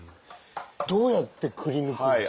どうやってくりぬくんですか？